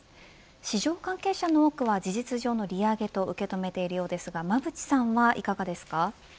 市場関係者の多くは事実上の利上げと受け止めているようですが馬渕さんはいかがですか。